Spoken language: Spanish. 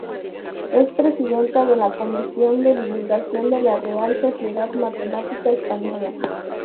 Es presidenta de la Comisión de Divulgación de la Real Sociedad Matemática Española.